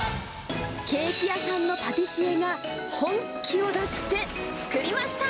ケーキ屋さんのパティシエが本気を出して作りました。